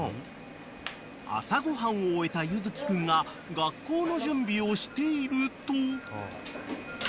［朝ご飯を終えた優月君が学校の準備をしていると］